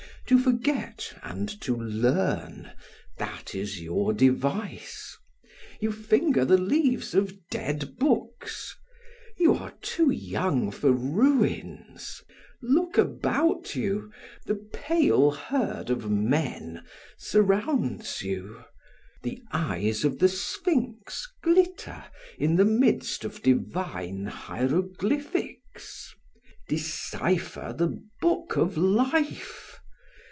To forget and to learn, that is your device. You finger the leaves of dead books; you are too young for ruins. Look about you, the pale herd of men surrounds you. The eyes of the sphinx glitter in the midst of divine hieroglyphics; decipher the book of life!